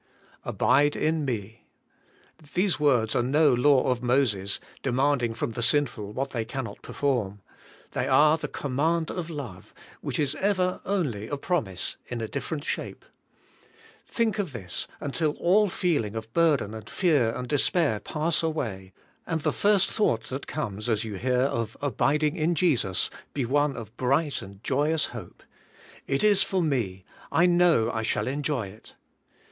Abide in me: These words are no law of Moses, demanding from the sinful what they cannot perform. They are the command of love, which is ever only a promise in a different shape. Think of this until all feeling of burden and fear and despair pass away, and the first thought that comes as you hear of abid ing in Jesus be one of bright and joyous hope: it is for me, I know I shall enjoy it.